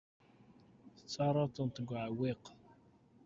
Tettarraḍ-tent deg uɛewwiq.